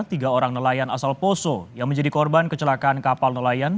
tiga orang nelayan asal poso yang menjadi korban kecelakaan kapal nelayan